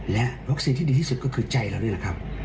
และวัคซีนที่ดีที่สุดก็คือใจเรานี่แหละครับ